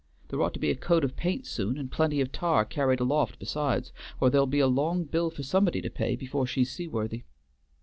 There ought to be a coat of paint soon, and plenty of tar carried aloft besides, or there'll be a long bill for somebody to pay before she's seaworthy."